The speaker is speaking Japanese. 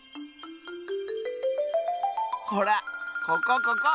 ほらここここ！